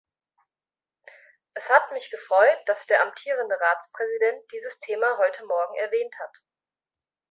Es hat mich gefreut, dass der amtierende Ratspräsident dieses Thema heute morgen erwähnt hat.